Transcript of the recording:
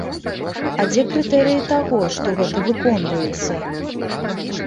А дзе крытэрыі таго, што гэта выконваецца?